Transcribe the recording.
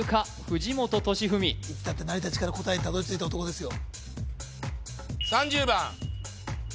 藤本敏史いつだって成り立ちから答えにたどり着いた男ですよ